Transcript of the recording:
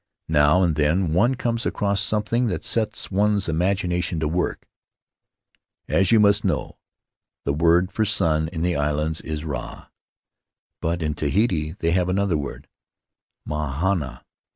Now and then one comes across something that sets one's imagination to work ... as vou must know, the word for sun in the islands is ra, but in Tahiti they have another word, mahana.